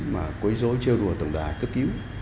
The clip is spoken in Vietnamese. mà quấy rối trêu đùa tầm đà cướp cứu